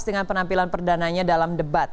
dengan penampilan perdananya dalam debat